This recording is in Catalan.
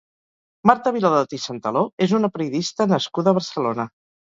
Marta Viladot i Santaló és una periodista nascuda a Barcelona.